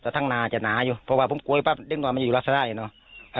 แต่ทั้งหนาจะหนาอยู่เพราะว่าผมกล้วยปะดึงต่อมันอยู่ลักษณะเนี่ยเนอะ